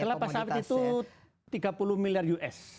kelapa sawit itu tiga puluh miliar us